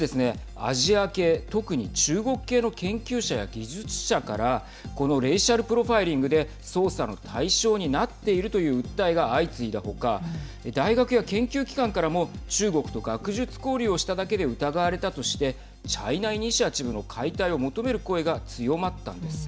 アジア系、特に中国系の研究者や技術者から、このレイシャルプロファイリングで捜査の対象になっているという訴えが相次いだ他大学や研究機関からも中国と学術交流しただけで疑われたとしてチャイナ・イニシアチブの解体を求める声が強まったんです。